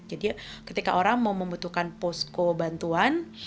jadi ketika orang mau membutuhkan posko bantuan